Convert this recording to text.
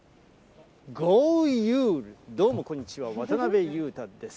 ゴーユール、どうもこんにちは、渡辺裕太です。